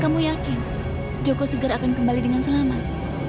kamu yakin joko segar akan kembali dengan selamat